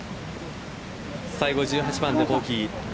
最後、１８番でボギー。